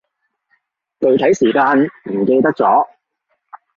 具體時間唔記得咗